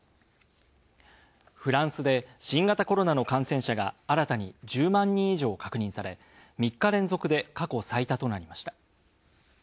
フランスで新型コロナの感染者が新たに１０万人以上確認され、３日連続で過去最多となりました。